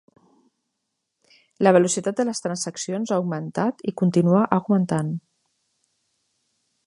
La velocitat de les transaccions ha augmentat i continua augmentant.